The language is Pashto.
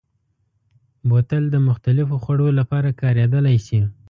بوتل د مختلفو خوړو لپاره کارېدلی شي.